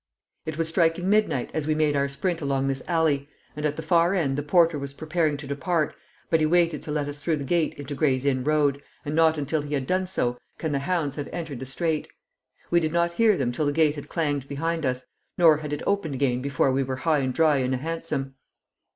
It was striking midnight as we made our sprint along this alley, and at the far end the porter was preparing to depart, but he waited to let us through the gate into Gray's Inn Road, and not until he had done so can the hounds have entered the straight. We did not hear them till the gate had clanged behind us, nor had it opened again before we were high and dry in a hansom.